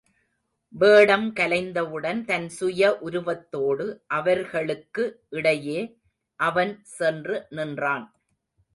வேடம் கலைந்தவுடன் தன் சுய உருவத்தோடு அவர்களுக்கு இடையே அவன் சென்று நின்றான்.